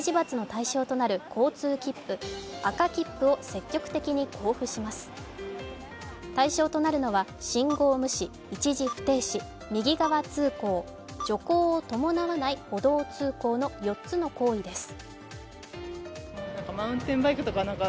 対象となるのは、信号無視、一時不停止、右側通行、徐行を伴わない歩道通行の４つの行為です。